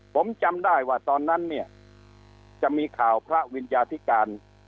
ผมจำได้ว่าตอนนั้นเนี่ยจะมีข่าวพระวิญญาธิการ